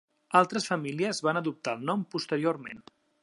Altres famílies van adoptar el nom posteriorment.